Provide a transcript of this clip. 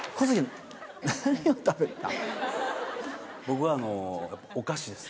僕はあの。